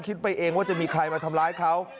ไปเองว่าจะมีใครมาทำร้ายเขา